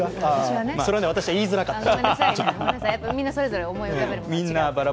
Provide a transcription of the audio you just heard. それは私は言いづらかった。